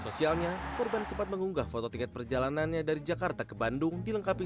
sosialnya korban sempat mengunggah foto tiket perjalanannya dari jakarta ke bandung dilengkapi